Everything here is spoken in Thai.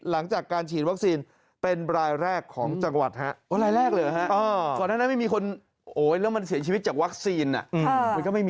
หลังจากการฉีดวัคซีนเป็นรายแรกของจังหวัดฮะ